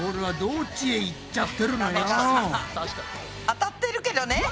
当たってるけどね。